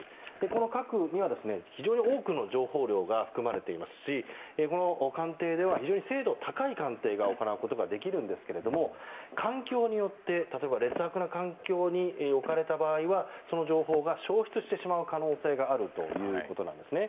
この核には非常に多くの情報量が含まれていますしこの鑑定では、非常に精度の高い鑑定が行えるんですが環境によって、例えば劣悪な環境に置かれた場合はその情報が消失してしまう可能性があるということです。